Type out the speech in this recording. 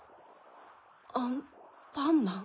アンパンマン？